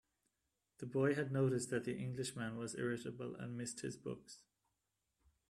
The boy had noticed that the Englishman was irritable, and missed his books.